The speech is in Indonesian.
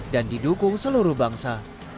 dan didukung seluruh bangsa